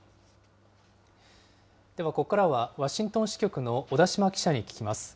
では、ここからはワシントン支局の小田島記者に聞きます。